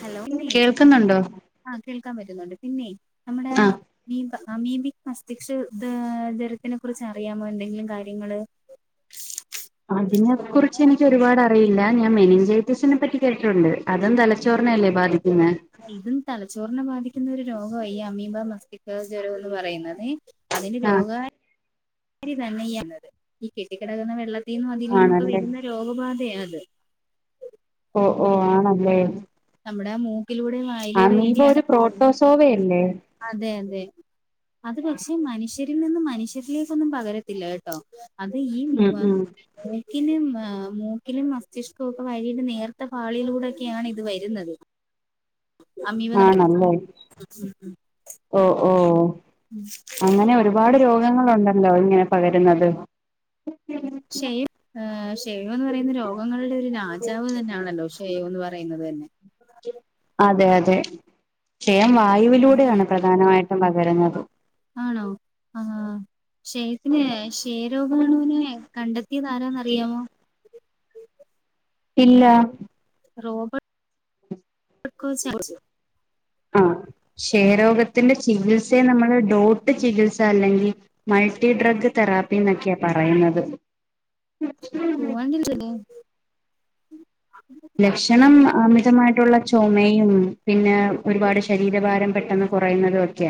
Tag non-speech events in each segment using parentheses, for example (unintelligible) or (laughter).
Hello പിന്നെ കേൾക്കുന്നുണ്ടോ ആഹ് കേൾക്കാൻ പറ്റ്ന്നൊണ്ട് പിന്നെ നമ്മടെ ആ ആഹ് മീബ അമീബിക് മസ്തിഷ്ക ദ ജൊരത്തിനെ കുറിച്ച് അറിയാമോ എന്തെങ്കിലും കാര്യങ്ങള്? അതിനെ കുറിച്ച് എനിക്ക് ഒര്പാട് അറിയില്ല ഞാൻ മെനിഞ്ചറ്റിസിനെ പറ്റി കേട്ടിട്ട്ണ്ട്. അതും തലച്ചോറിനെയല്ലേ ബാധിക്ക്ന്നേ? ഇതും തലച്ചോറിനെ ബാധിക്കുന്ന ഒര് രോഗാ ഈ അമീമ്പ മസ്തിക്ക ജ്വരം എന്ന് പറയുന്നതേ അതിന് ആഹ് രോഗ (unintelligible) ഈ കെട്ടിക്കെടക്കുന്ന വെള്ളത്തിന്നു അതിലീന്നൊക്കെ ആണല്ലേ വരുന്ന രോഗബാധയാ അത്. ഓ ഓ ആണല്ലേ.? നമ്മുടെ മൂക്കിലൂടേം വായിലൂടേം അമീബ ഒക്കെയാണ് ഒരു കേറുന്നത്. പ്രോട്ടോസോവയല്ലേ അതെ അതെ അത് പക്ഷെ മനുഷ്യരിൽ നിന്നും മനുഷ്യരിലേക്കൊന്നും പകരത്തില്ല കേട്ടോ. അത ഈ ഉം ഉം മക്കിലും മൂക്കിലും മസ്തിഷ്കവും ഒക്കെ വഴിയില് നേർത്തെ പാളിയിലുടെക്കെയ ആണ് ഇത് വരുന്നത്. അമീബ നമ്മ ആണല്ലേ ഓ ഓ അങ്ങനെ ഒരു രുപാട് രോഗങ്ങളു ണ്ടല്ലോ ഇങ്ങനെ പകരുന്നത്. ഷെയം ഷെയോ ന്ന് പറയുന്ന രോഗങ്ങളുടെ ഒരു രാജാവ് തന്നണല്ലോ ഷെയോ ന്ന് പറയുന്നത് തന്നെ. അതെ അതെ ക്ഷയം വായുവിലൂടെയാണ് പ്രധാനമായിട്ടും പകരുന്നത്. ആണോ ആഹാ.. ആഹ് ക്ഷയത്തിന് ക്ഷയരോഗണൂനെ കണ്ടെത്തിയത് ആരാന്ന്റിയാമോ? ഇല്ല. റോബർട്ട് (unintelligible) ആഹ് ക്ഷയരോഗത്തിന്റെ ചികിത്സയെ നമ്മള് ഡോട്ട് ചികിത്സ അല്ലെങ്കി മൾട്ടി ഡ്രഗ് തെറാപ്പി ന്നൊക്ക്യ പറയ്ന്നത്. പോവാ (unintelligible) ലക്ഷണം അമിതമായിട്ടുള്ള ചൊമയും പിന്നെ ഒരുപാട് ശരീരഭാരം പെ ട്ടെന്ന് കുറയുന്നതു ഒക്ക്യ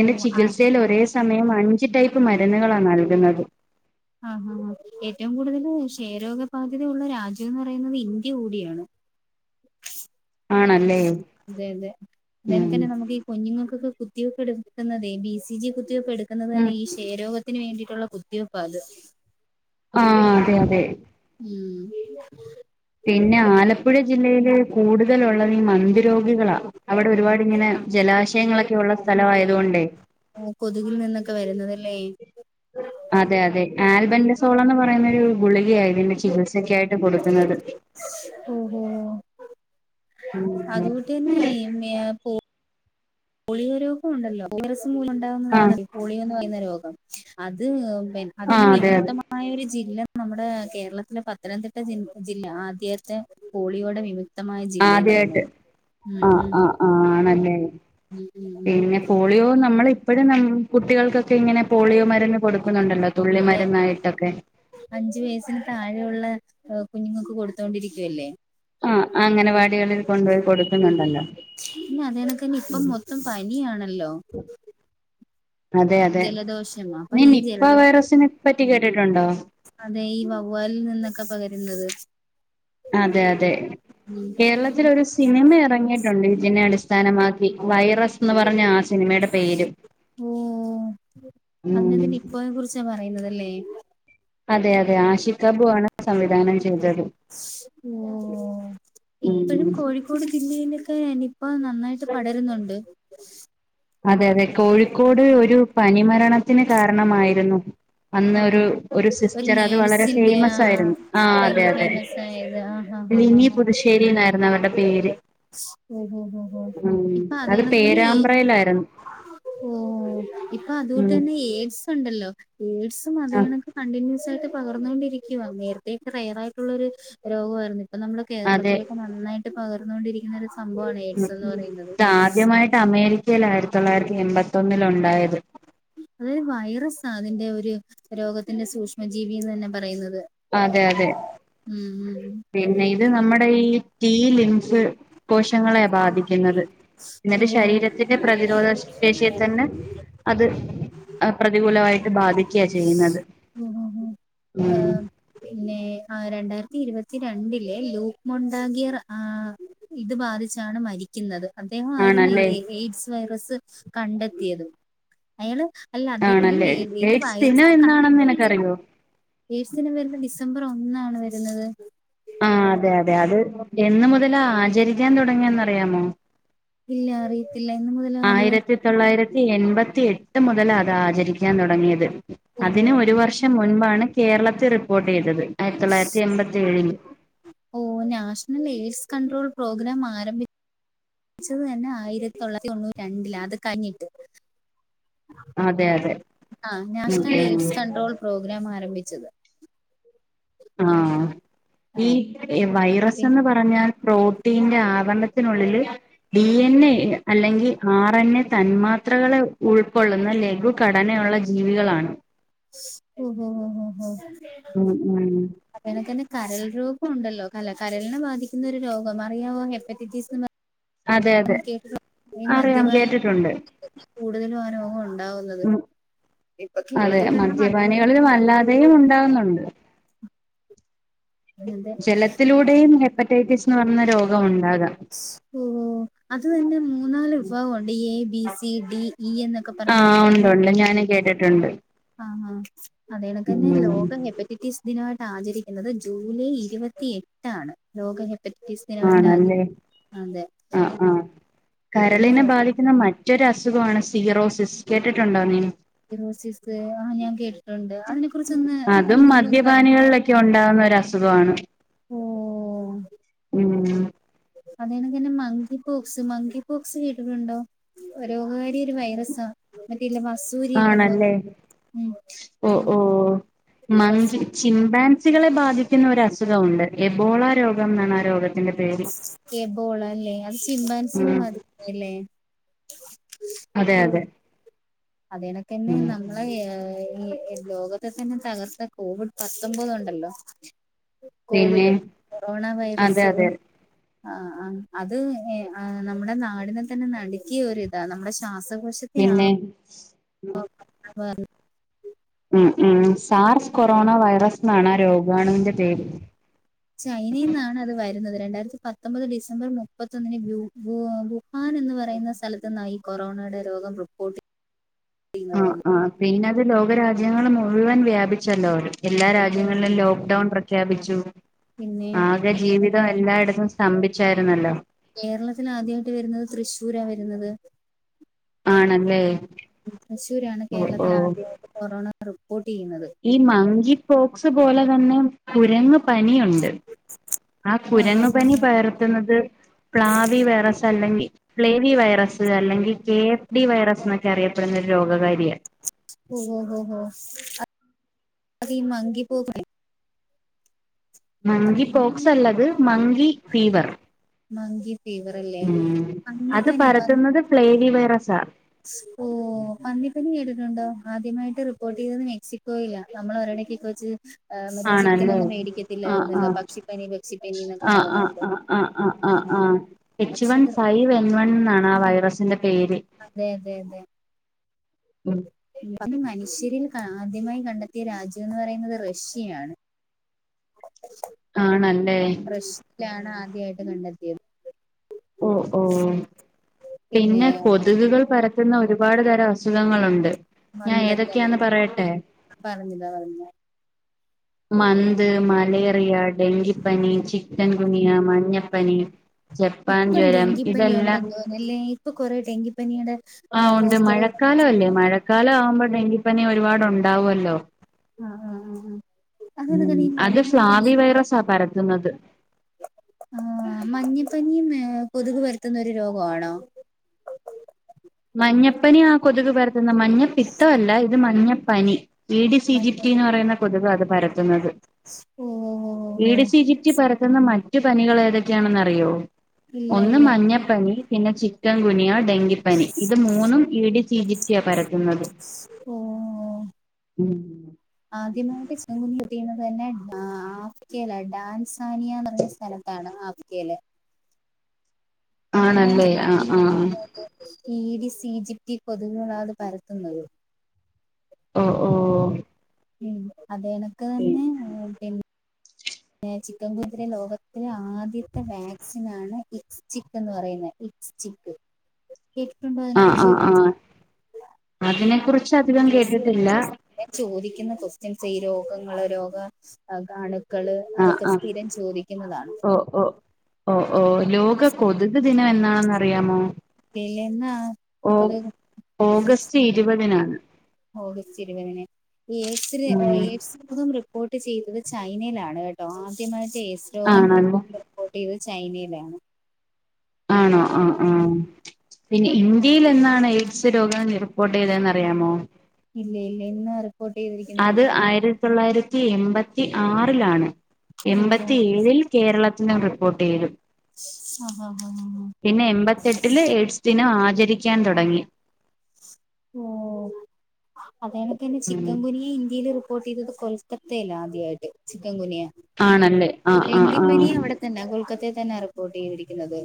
ഓ ആ ചികിത്സയിൽ ഒരെ സമയം അഞ്ച് ടൈപ്പ് മരുന്നുകളാ നൽക്ന്നത്. ആ ഹാ ഹാ ഏറ്റവും കൂടുതല് ക്ഷയരോഗബാധ്യത ഉള്ള രാജ്യം ന്ന് പറയുന്നത് ഇന്ത്യ കൂടിയാണ്. ആണല്ലേ അതെ അതെ ഉം അല്ലെനെതന്നെ നമുക്കീ കുഞ്ഞുങ്ങക്കെ കുത്തിവെപ്പ് എടുക്കുന്നതേ ബി സി ജി കുത്തിവെപ്പ് എടുക്കുന്നത് തന്നെ ഈ ക്ഷയരോഗ ത്തിന് വേണ്ടിട്ടുള്ള കുത്തിവെപ്പാത്. ആഹ് അതെ അതെ. ഉം.. പിന്നെ ആലപ്പുഴ ജില്ലയില് കൂടുതലുള്ളത് ഈ മന്ത് രോഗികളാ. അവിടെ ഒരുപാടി ഇങ്ങനെ ജലാശയങ്ങളൊക്കെ ഒള്ള സ്ഥലം ആയതു കൊണ്ടേ കൊതുകിൽ നിന്നൊക്കെ വരുന്നതല്ലേ ഈ അതെ അതെ ആൽബന്റ സോളന്ന് പറ ന്നൊരു ഗുളികയായിതിന്റെ ചികിത്സക്കായിട്ട് കൊട്ക്ക്‌ന്നത്. ഓഹോ.. അതുകൂട്ട് ന്നെ മേയ പോ പുളിയ രോഗമുണ്ടല്ലോ (unintelligible) മൂലം ഉണ്ടാകുന്നതാണ് ആഹ് പുളിയ എന്ന് പറയുന്ന രോഗം അത് പി അതിന് ആഹ് അതെ അതെ വിമുക്ത ആയൊരു ജില്ല നമ്മുടെ കേരളത്തിലെ പത്തനംതിട്ട ജി ജില്ല ആദ്യത്തെ കോളിയോടെ വി ക്തമായ ജില്ലന്ന് ആദ്യായിട്ട് പറയുന്നത് ഉം ആഹ് ഉം.. ആഹ് ആണല്ലേ ഉം പിന്നെ പോളിയോ നമ്മള് ഇപ്പഴും ന കുട്ടികൾക്കൊക്കെ ഇങ്ങനെ പോളിയോ മരുന്ന് കൊടുക്കുന്നുണ്ടല്ലോ തുള്ളി മരുന്നായിട്ടൊക്കെ അഞ്ച് വയസ്സിന് താഴെയുള്ള കുഞ്ഞുങ്ങൾക്ക് കൊടുത്തോണ്ടിരിക്കുവല്ലേ ആ അങ്ങനെവാടികളിൽ കൊണ്ടോയി കൊടുക്കുന്നുണ്ടല്ലോ. പിന്ന അതെനക്കെ ഇപ്പം ഉം. മൊത്തം പനിയാണല്ലോ അതെ അതെ ജലദോഷം അപ്പൊ നീ ഈ നിപ്പ ജലദോ വൈറസിന് പറ്റി കേട്ടിട്ടുണ്ടോ? അതെ ഈ വവ്വാലിൽ നിന്നൊക്കെ പകരുന്നത് അതെ അതെ ഉം കേരളത്തില് ഒരു സിനിമ എറങ്ങി ട്ടൊണ്ട് ഇതിനെ അടിസ്ഥാനമാക്കി വൈറസ് ന്ന് പറഞ്ഞ ആ സിനിമേടെ പേര് ഓ അതിനാത്ത് നിപ്പോനെ കുറിച്ച പറയുന്നതല്ലേ? അതെ അതെ ആഷിഖാബു ആണ് സംവിധാനം ചെയ്തത് ഓഹ് ഇപ്പഴും ഉം കോഴിക്കോട് ജില്ലയിലൊക്കെ നി പ്പ നന്നായിട്ട് പടരുന്നുണ്ട് അതെ അതെ കോഴിക്കോട് ഒരു പനിമരണത്തിന് കാരണമായിരുന്നു അന്ന് ഒരു ആഹാ ഒരു സിസ്റ്റർ അത് വളരെ ഫേമസ് ആയിരുന്നു ആഹ് അതെ അതെ. അതായെത് ആഹ് ആഹ് ആഹ് നീ പുതുശേരിയിലായിരുന്ന അവരുടെ പേര് ഓഹോ ഹോ ഹോ ഉം ഇപ്പൊ അത് അതണക്കന്നെ ഈ പേരാമ്പ്രയിലായിരുന്നു ഓഹ് ഇപ്പൊ ഉം അതുകൊണ്ടന്നെ എയ്ഡ്സ് ഇണ്ടല്ലോ എയ്ഡ്സും ആ അതെണ് കണ്ടിന്യൂസായിട്ട് പകർന്നൊണ്ടിരിക്കുവാ നേരത്തേക്ക് റയറായിട്ടുള്ളൊരു രോഗാവാരുന്നു ഇത് ഇപ്പ നമ്മളെ കേരളത്തില നന്നായിട്ട് പകർന്നൊണ്ടിരിക്കുന്ന ഒരു സംഭവമാണ് എയ്ഡ്സ് എന്ന് പറയുന്നത് ഇത് ആദ്യമായിട്ട് അമേരിക്കയി ആയിരത്തി തൊള്ളായിരത്തി എൺപത്തൊന്നിൽ ഉണ്ടായത് അതരു വൈറസ അതിന്റെ ഒരു രോഗത്തിന്റെ സൂക്ഷ്മജീവിന്ന് തന്നെ പറയുന്നത്. അതെ അതെ ഉം പിന്നെ ഇത് നമ്മുടെ ഈ സ്റ്റീ ലിംസ് കോശങ്ങളെ ബാധിക്കുന്നത് ഉം ഓ ഇന്നന്റെ ശരീരത്തിന്റെ പ്രതിരോധ ശേഷിയെ തന്നെ അത് പ്രതികൂലമായിട്ട് ബാധിക്ക ചെയ്യുന്നത് ഉം ഏഹ് പിന്നെ ആഹ് രണ്ടായിരത്തി ഇരുവത്തി രണ്ടിലെ ഈ ലൂക്ക് മൊണ്ടാകിറ ആഹ് ഇത് ബാധിച്ചാണ് മരിക്കുന്നത് അദ്ദേഹ മായിരുന്നു ഈ ആണല്ലേ എയ്ഡ്സ് വൈറസ് കണ്ടെത്തിയത് അയാള് അല്ല അദ്ദേഹം ഏത് വൈറസ് ക തറിയോ? എയ്ട്സ് ദിനം വരുന്ന് ഡിസംബർ ഒന്നാണ് വരുന്നത് ആഹ് അതെ അതെ അത് എന്ന് മുതല ആചരിക്കാൻ തുടങ്ങിയന്ന്റിയാമോ ഇല്ല അറിയത്തില്ല എന്ന് മുതലാ അത് ആയിരത്തി തൊള്ളായിരത്തി എൺപത്തി എട്ട് മുതലാ അത് ആചരിക്കാൻ തുടങ്ങിയത് ഓ അതിന് ഒരു വർഷ് അതിന് മുൻപാണ് കേരളത്തിൽ റിപ്പോർട്ട് ചെയ്തത് ആയിരത്തി തൊള്ളായിരത്തി എൺപത്തി ഏഴില് ഓഹ് നാഷണൽ എയ്ഡ്സ് കൺണ്ട്രോൾ പ്രോഗ്രാം ആരംഭി ച്ചത് തന്നെ ആയിരത്തി തൊള്ളായിരതൊണ്ണൂറ്റി രണ്ടില അത് കയിഞ്ഞിട്ട് അതെ അതെ ആഹ് ഉം നാഷണൽ എയ്ഡ്സ് ഉം കൺട്രോൾ പ്രോഗ്രാം ആരംഭിച്ചത് ആഹ് ആ ഈ വൈറസന്ന് പ ഞാൽ പ്രോട്ടീന്റെ ആവരണത്തിനുള്ളില് ഡി എൻ എ അല്ലെങ്കി ആർ എൻ എ തന്മാർ ത്രകളെ ഉൾക്കൊള്ളുന്ന ലഘു ഘടനയുള്ള ജീവികളാണ് (unintelligible) ഉം ഉം. അപ്പനൊക്കെ തന്നെ കരൽ രോഗം ഉണ്ടല്ലോ കല കരളിനെ ബാധിക്കുന്നൊരു രോഗം അറിയാവോ ഹെപ്പറ്റൈറ്റീസ് അതെ അ അതെ കേട്ടിട്ട് ഈ അറിയാം മദ്യപാനം കേട്ടിട്ടുണ്ട് കൂടുതലും അവനൊള്ളു. ന്നതാവുന്നത് ഉം ഇപ്പൊ കേരളത്തിൽ തന്നെ മദ്യപാനം. ഉണ്ടാവുന്നുണ്ട്. മദ്യ ജലത്തിലൂടെയും ഹെപ്പറ്റൈറ്റിസ് എന്ന പറയ രോഗം ഉണ്ടാകാം ഓഹ് അത് തന്നെ മൂന്നാല് വിഭാഗംഉണ്ട് A B C D. E എന്നൊക്കെ പറഞ് മു ആഹ് ഉണ്ട് ഉണ്ട് ഞാൻ കേട്ടിട്ടുണ്ട്. ആഹ് ആഹ് അതേതക്കെന്നെ ഉം ലോകം ഹെപ്പറ്റൈറ്റീസ് ദിനയിട്ട് ആചരി ന്നത് ജൂലൈ ഇരുപത്തി എട്ടാണ് ലോക ഹെപ് ത്ട് ആദ്യം ആണല്ലേ അതെ ഇതിന് പിന്നെ മറ്റൊരു അസുഗാണ് സീറോസിസ് കേട്ടിട്ടുണ്ടോ നീ? സിറോസിസ് ആഹ് ഞാൻ കേട്ടി അതും പറ മദ്യപാനികളിലൊക്കെ ഉണ്ടാവുന്ന ഒരു അസുഖാണ്. ഉം ഉം. അതണക്ക തന്നെ മങ്കി പോക്സ് മങ്കി പോക്സ് കേട്ടിട്ടുണ്ടോ. ഗകാരിയ ഒരു വൈറസാ. മറ്റേല്ല മസൂ. ആണല്ലേ ഓ ഓ വസ് മങ്കി. ചിംബാൻസികളെ ബാധിക്കുന്ന ഒരു അസുഖം ഉണ്ട് എബോള രോഗം എന്നാണ് ആ രോഗത്തി. എബോള അല്ലേ അത് ച്ചിംബാൻസിൽ ഉം മതില്ലേ. അതെ അതെ. പിണക്കന്നെ. ഉം നമ്മളെ ഈ ലോകത്തെ തന്നെ തകർത്ത കോവിഡ് പത്തൊമ്പത് ഉണ്ടല്ലോ. പിന്നെ കോവിഡ് കൊറോണ അതെ വൈറസ്. അതെ ആ ആ അത് നമ്മുടെ നാടിനെ തന്നെ നടുക്കിയ ഒരിതാ നമ്മുടെ ശ്വാസ പിന്നെ. (unintelligible) ഉം ഉം സാർസ് കൊറോണ വൈറസ് എന്നാണ് ആ രോഗാണുവിന്റെ പേര്. ചൈനയി നിന്നാണ് അത് വരുന്നത് രണ്ടായിരത്തി പത്തൊമ്പത് ഡിസംബർ മുപ്പത്തൊന്നിന്. ഹാൻ എന്ന് പറയുന്ന സ്ഥലത്തു നിന്നാ കൊറോണയുടെ രോഗം റിപ്പോർട്ട് ചെ. ആ ആ പിന്നത് ലോകരാജ്യങ്ങൾ മുഴുവൻ വ്യാപിച്ചല്ലോ അവര് എല്ലാ രാജ്യങ്ങളിലും ലോക്ക് ഡൌൺ പ്രഖ്യാപിച്ചു. പിന്നെ ആകെ ജീവിതം എല്ലായിടത്തും സ്തംഭിച്ചായിരുന്നല്ലോ. കേരളത്തി ആദ്യമായിട്ട് വരുന്നത് തൃശ്ശൂരാ വരുന്നത് ആണല്ലേ തൃശൂരാണ് ഓ ഓ കേരളത്തി ആദ്യത്തെ കൊറോണ റിപ്പോർട്ട് ചെയ്യുന്നത്. ഈ മങ്കി പോക്സ് പോലെ തന്നെ കുരങ്ങ പനിയുണ്ട് ആ ഹാ കുരങ്ങ ഹാ പനി ഹാ പകർത്തുന്നത്. പ്ലാവി വിറസ അല്ലെങ്കിൽ. ഫ്ലേവി വൈറസ് അല്ലെങ്കിൽ കെ എഫ് ഡി വൈറസ് എന്നൊക്കെ അറിയപ്പെടുന്ന ഒരു രോഗകാരിയാണ്. ഓഹ് ഹ അ മങ്കി പോക്ക. അതെ മങ്കി പോക്സ് അല്ലത് മങ്കി ഫീവർ. മങ്കി ഫീവർ അല്ലേ പന്നിപ്പനി പന്നി പ്ലേവി വയ്റസ ഓഹ് പന്നിപ്പനി കേട്ടിട്ടുണ്ടോ ആദ്യമായിട്ട് റിപോട്ടെയ്തത് മെക്സിക്കോയില. നമ്മളെ ഒരണിക്കിക്കോച്ച്. ആഹ് മറ്റേ ആണല്ലേ ചിക്കനോന്നും ആഹ് മേടിക്കത്തില്ലായിരുന്നല്ലോ ആഹ് പക്ഷിപ്പനി പക്ഷിപ്പനി എന്നൊക്കെ ആഹ് ആഹ് പറഞ്ഞോണ്ട്. ആഹ് ആഹ് ആഹ് ആഹ് ആഹ് എച്ച് വൺ അത് ഫൈവ് എൻ വൺ എന്നാണ് ആഹ് വൈറസിന്റെ പേര്. അതെ അതെ. ഉം ഇത് മനുഷ്യരിൽ ആദ്യമായി കണ്ടെത്തിയ രാജ്യം എന്ന് പറയുന്നത് റഷ്യയാണ്. (unintelligible) ആണല്ലേ. റഷ്യലാണ് ആദ്യയിട്ട് കണ്ടെത്തിയത്. ഓഹ് ഓഹ് പിന്നെ കൊതുകുകൾ പരത് പരത്തുന്ന ഒരുപാട് തരം അസുഖങ്ങളുണ്ട്. ഞാൻ മന്ത്‌ ഏതൊക്കെയാന്ന് പറയട്ടെ (unintelligible) പറഞതാ പറഞ്ഞതാ മന്ത് മലേറിയ ഡെങ്കിപ്പനി ചിക്കൻ കുനിയ മഞ്ഞപ്പനി. ജപ്പാൻ ഇപ്പൊ ജ്വരം ഡെങ്കിപ്പനി ഇതെല്ലാം ഉണ്ടെന്ന് തോന്നുന്നുല്ലേ ഇപ്പൊ കൊറെേ ഡെങ്കിപ്പനിയുടെ ആഹ് ഉണ്ട് പോസ്റ്റർ മഴക്കാലം അല്ലേ മഴക്കാലം ആവുമ്പോ ഡെങ്കിപ്പനി ഒരുപാട് ഉണ്ടാവുല്ലോ. ആഹ് ആഹ് ആഹ് ആഹ് ഉം അത് ഫ്ലാവി വൈറസാ പരത്തുന്നത്. ആഹ് മഞ്ഞപ്പനിയും ഏഹ് കൊതുക് പരത്തുന്ന ഒരു രോഗാണോ മഞ്ഞപ്പനി ആഹ് കൊതുക് പർത്തുന്ന മഞ്ഞപ്പിത്തമല്ല ഇത് മഞ്ഞപ്പനി ഇ ഡി സി ജി പ് റ്റി ന്ന് പറയുന്ന കൊതുകാത് പരത്തുന്നത് ഓഹ് ഓഹ് ടി ഓഹ് സിജിറ്റി പരത്തുന്ന മറ്റു പനികൾ ഏതൊക്കെയാണെന്നറിയോ ഇല്ല ഒന്ന് ഇല്ല മഞ്ഞപ്പനി പിന്നെ ചിക്കൻ ഗുനിയ ഡെങ്കിപ്പനി ഇത് മൂന്നും ടി സി ജി പ് റ്റി യാ പരതുന്നത് ഓഹ് ഉം (inaudible) ആദ്യമായിട്ട് സൃവം കിട്ടുന്നത് തന്നെ ദാഫ്തിയായിലാ ഡാൻസാനിയന്ന് പറഞ്ഞ സ്ഥലത്ത് സ്ഥലത്താണ് ഡാഫ്തിയയിലെ അവിടാണ് ആണല്ലേ ആഹ് ആഹ് ഇ ഡി സി ജിപ്റ്റി കൊതുകുകളാ അത് പരത്തുന്നത് ഓഹ് ഓഹ് ഉം അത് എനക്ക് തന്നെ (unintelligible) ചിക്കൻകുനിയകെതിരെ ലോകത്തിലെ ആദ്യത്തെ വാക്സിനണ് ഇക്സ് ചിക് എന്ന് പറയുന്നത് ഇക്സ്റ്റിക്ക് കേട്ടിട്ടുണ്ടോ അയ്നെ ആഹ് കുറിച്ച് ആഹ് ഇല്ല ആഹ് അതിനെ കുറിച്ച് അധികം കേട്ടിട്ടില്ല ഞാൻ ചോദിക്കുന്ന ക്വസ്റ്റ്യൻസ് ഈ രോഗങ്ങള് രോഗ രോഗാണ് രോഗാണുക്കള് അതൊക്കെ സ്ഥിരം ചോദിക്കുന്നതാണ് ഓഹ് ഓഹ് ഓഹ് ലോക കൊതുക് ദിനം എന്നാണെന്ന് അറിയാമോ പിലന്നാ ഓ കൊതുക് ഓഗസ്റ്റ് ഇരുപതിനാണ് ഓഗസ്റ്റ് ഇരുപതിന് ഉം (unintelligible) റിപ്പോർട്ട് ചെയ്തത് ചൈനയിലാണ് കേട്ടോ ആദ്യമായിട്ട് എയ്സ് രോഗം ആണല്ലേ റിപ്പോർട്ട് ചെയ്തത് ചൈനയിലാണ് ആണോ ആഹ് ആഹ് പിന്നെ ഇന്ത്യയിലെന്നാ എന്നാണ് എയ്ഡ്സ് രോഗം റിപ്പോർട്ട് ചെയ്തെന്നറിയാമോ ഇല്ല ഇല്ല ഇന്നാരും (unintelligible) അത് ആയിരത്തി തൊള്ളായിരത്തി എൺപത്തി ആറിലാണ് ഓഹോ എൺപത്തി ഏഴിൽ കേരളത്തിലും റിപ്പോർട്ട് ചെയ്തു (inaudible) ആഹ് പിന്നെ എൺപത്തെട്ടില് എയ്ഡ്സ് ദിനം ആചരിക്കാൻ തുടങ്ങി ഓഹ് അതാനൊക്കെന്നെ ഉം ചിക്കൻ കുനിയ ഇന്ത്യയില് ഫോർട്ടി സിക്സ് കൊൽക്കത്തയിലാ ആദ്യായിട്ട് ചിക്കൻ കുനിയ ആണല്ലേ ആഹ് ആഹ് ഡെങ്കിപ്പനി ആഹ് അവിടെ ത്തന്നെ കൊൽക്കത്തയിൽ തന്നെ റിപ്പോർട്ട് ചെയ്തിരിക്കുന്നത്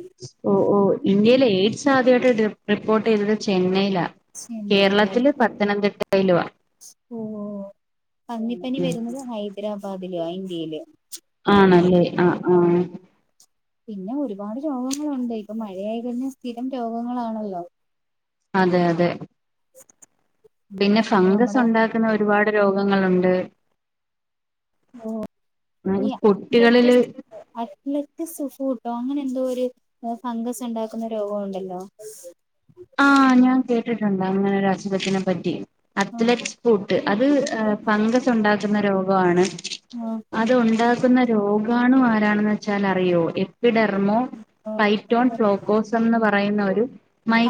ഓഹ് ഓഹ് ഇന്ത്യയിലെ എയ്ഡ്സ് ആദ്യായിട്ട് ടി റിപ്പോർട്ട് ചെയ്തത് ചെന്നൈയിലാ ചെന്നൈയില കേരളത്തില് പത്തനംതിട്ടയിലുവാ ഓഹ് പന്നിപ്പനി വരുന്നത് ഹൈദരാബാദില ഇന്ത്യയില് ആണല്ലേ ആഹ് ആഹ് പിന്നെ ഒരുപാട് രോഗങ്ങളുണ്ട് ഇപ്പൊ മഴയായി കഴിഞ്ഞാൽ സ്ഥിരം രോഗങ്ങളാണല്ലോ അതെ അതെ (inaudible) പിന്നെ ഫംഗസ് ഉണ്ടാക്കുന്ന ഒരുപാട് രോഗങ്ങളുണ്ട് ഇന്നാലും കുട്ടികളില് അറ്റ്ലറ്റ് സുഫുട്ടോ അങ്ങനെ എന്തോ ഒരു (unintelligible) ഫംഗസ് ഉണ്ടാക്കുന്ന രോഗോണ്ടല്ലോ ആഹ് ഞാൻ കേട്ടിട്ടുണ്ട് അങ്ങനെ ഒരു അസുഖത്തിനെ പറ്റി ആഹ് അത്‌ലറ്റ് ഫ്രൂട്ട് അത് ഏഹ് ഫങ്കസ് ഉണ്ടാക്കുന്ന രോഗാണ് ആഹ് അത് ഉണ്ടാക്കുന്ന രോഗാണു ആരാണെന്ന് വെച്ചാൽ അറിയോ എ വിഡെർമോ ടൈറ്റോൺ ഫ്ലോക്കോസംന്ന് പറയുന്ന ഒരു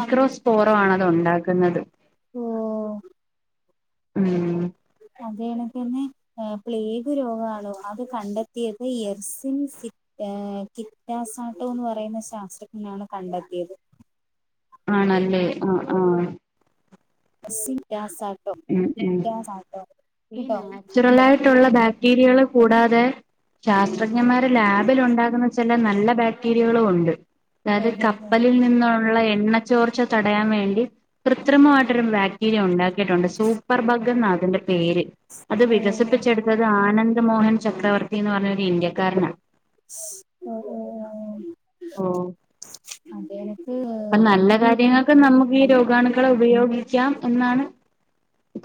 ആഹ് ആണ് അതുണ്ടാക്കുന്നത്. ഓഹ് ഉം അതേന തന്നെ ആഹ് പ്ലേഗ് രോഗാണോ അത് കണ്ടെത്തിയത് എർ സിൻ സി ഏഹ് കിറ്റാസാട്ടോ എന്ന് പറയുന്ന ശാസ്ത്രജ്ഞനാണ് കണ്ടെത്തിയത്. ആണല്ലേ ആഹ് ആഹ് എസിൻ യാസാട്ടോ ഉം ഉം ഇത്യാസാട്ടോ. ഈ നാച്ചുറലായിട്ടുള്ള ബാക്ടീരിയകളെ കൂടാതെ ശാസ്ത്രജ്ഞന്മാര് ലാബിലുണ്ടാക്കുന്ന ചെല നല്ല ബാക്ടീരിയകളു ഉണ്ട്. അതായത് ഓഹോ കപ്പലിൽ നിന്നുള്ള എണ്ണ ചോർച്ച തടയാൻ വേണ്ടി കൃത്രിമമായിട്ടൊരു ബാക് ബാക്ക്ടീരീയ ഉണ്ടാക്കിയിട്ടുണ്ട്. സൂപ്പർ ബഗ് ന്ന അതിന്റെ പേര്. അത് ഓ ഓ വികസിപ്പിച്ചെട് ഒരാനന്ദ് മോഹൻ ചക്രവർത്തി എന്ന് പറഞ്ഞൊരു ഇന്ത്യക്കാരനാ. (unintelligible) ഉം അതെ ഇപ്പം നല്ല കാര്യങ്ങൾ ഇപ്പം നമുക്ക് ഈ രോഗാണുക്കളെ ഉപയോഗിക്ക്യാം എന്നാണ്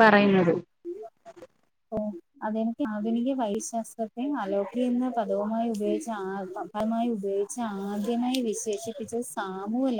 പറയുന്നത്. (unintelligible) ഓ അതെ ആധുനിക വൈദ്യശാസ്ത്രത്തെ അലോപതി എന്ന പദവുമായി ഉപയോഗിച്ച ആർദ്രം. അത് മായി ഉപയോഗിച്ച് ആദ്യമേ വിശേഷിപ്പിച്ച സാമുവല